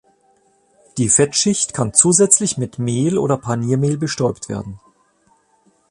Die Fettschicht kann zusätzlich mit Mehl oder Paniermehl bestäubt werden.